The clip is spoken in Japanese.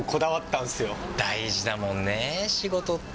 大事だもんね、仕事って。